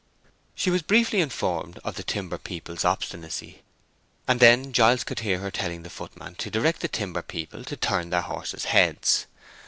She was briefly informed of the timber people's obstinacy; and then Giles could hear her telling the footman to direct the timber people to turn their horses' heads.